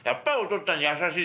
っつぁん優しい。